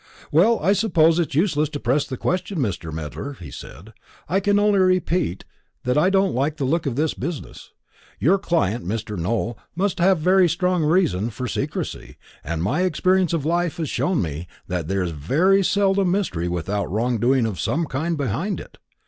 "Well, I suppose it is useless to press the question, Mr. Medler," he said. "I can only repeat that I don't like the look of this business. Your client, Mr. Nowell, must have a very strong reason for secrecy, and my experience of life has shown me that there is very seldom mystery without wrong doing of some kind behind it.